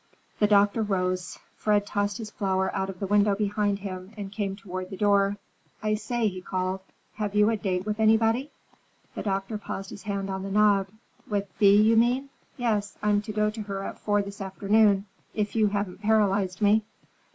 The doctor rose. Fred tossed his flower out of the window behind him and came toward the door. "I say," he called, "have you a date with anybody?" The doctor paused, his hand on the knob. "With Thea, you mean? Yes. I'm to go to her at four this afternoon—if you haven't paralyzed me."